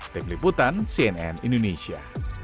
tim liputan cnn indonesia